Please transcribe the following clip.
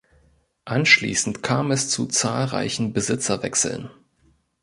Anschließend kam es zu zahlreichen Besitzerwechseln.